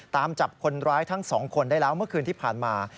ตามจับคนร้ายทั้งสองคนได้แล้วเมื่อคืนที่ผ่านมา